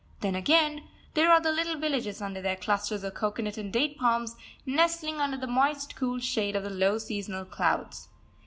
Then again, there are the little villages under their clusters of cocoanut and date palms, nestling under the moist cool shade of the low seasonal clouds.